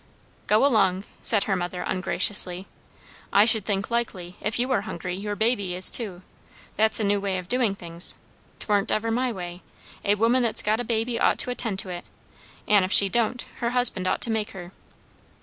"Go along," said her mother ungraciously. "I should think likely, if you are hungry, your baby is too. That's a new way of doing things. 'Twarn't ever my way. A woman that's got a baby ought to attend to it. An' if she don't, her husband ought to make her."